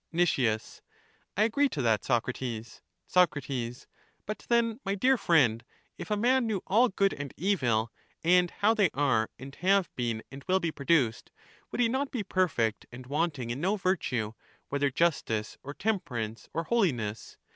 Nic, I agree to that, Socrates. Soc, But then, my dear friend, if a man knew all / LACHES 117 good and evil, and how they are, and have been, and will be produced, would he not be perfect, and want ing in no virtue, whether justice, or temperance, or holiness?